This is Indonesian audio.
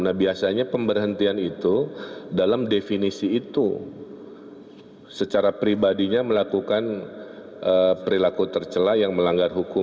nah biasanya pemberhentian itu dalam definisi itu secara pribadinya melakukan perilaku tercelah yang melanggar hukum